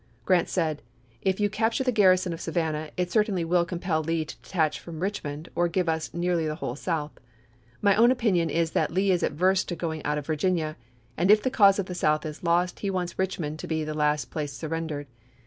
Grant said, " If you C(^^[{ee capture the garrison of Savannah it certainly will Jf tSewar! compel Lee to detach from Richmond or give us SmSSt?" nearly the whole South. My own opinion is that Lee pa?8e!' is averse to going out of Virginia; and if the cause of the South is lost he wants Eichmond to be the last place surrendered.